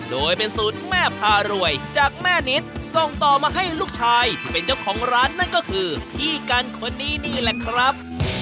โดยเป็นสูตรแม่พารวยจากแม่นิดส่งต่อมาให้ลูกชายที่เป็นเจ้าของร้านนั่นก็คือพี่กันคนนี้นี่แหละครับ